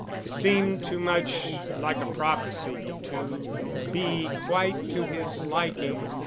It seemed too much like a prophecy to be quite to his liking.